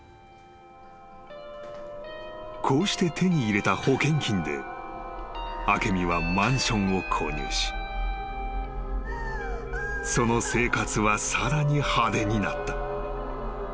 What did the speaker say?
［こうして手に入れた保険金で明美はマンションを購入しその生活はさらに派手になった］